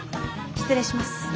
失礼します。